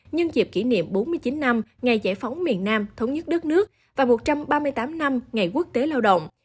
nhân dịp kỷ niệm bốn mươi chín năm ngày giải phóng miền nam thống nhất đất nước và một trăm ba mươi tám năm ngày quốc tế lao động